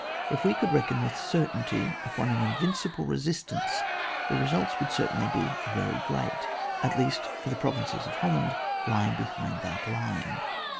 If we could reckon with certainty upon an invincible resistance, the results would cer tainly be very great, at least for the pro vinces of Holland lying behind that line.